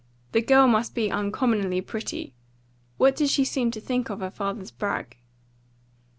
"The girl must be uncommonly pretty. What did she seem to think of her father's brag?"